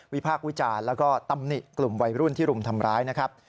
พากษ์วิจารณ์แล้วก็ตำหนิกลุ่มวัยรุ่นที่รุมทำร้ายนะครับ